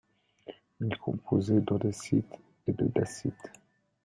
Il composé d'andésite et de dacite.